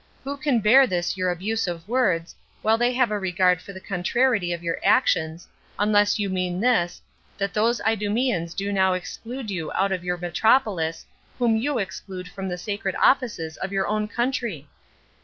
Who can bear this your abuse of words, while they have a regard to the contrariety of your actions, unless you mean this, that those Idumeans do now exclude you out of your metropolis, whom you exclude from the sacred offices of your own country?